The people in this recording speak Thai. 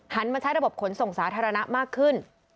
มาใช้ระบบขนส่งสาธารณะมากขึ้น